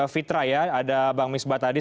fitra ya ada bang misbah tadi